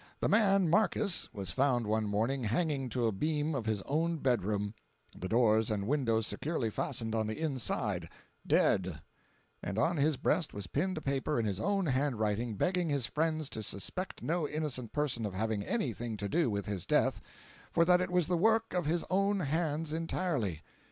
The man Markiss was found one morning hanging to a beam of his own bedroom (the doors and windows securely fastened on the inside), dead; and on his breast was pinned a paper in his own handwriting begging his friends to suspect no innocent person of having any thing to do with his death, for that it was the work of his own hands entirely.